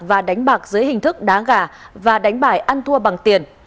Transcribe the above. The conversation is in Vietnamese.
và đánh bạc dưới hình thức đá gà và đánh bài ăn thua bằng tiền